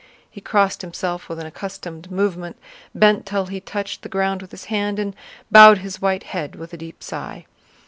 He crossed himself with an accustomed movement, bent till he touched the ground with his hand, and bowed his white head with a deep sigh.